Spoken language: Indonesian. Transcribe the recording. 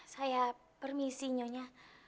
saya permisi nyonya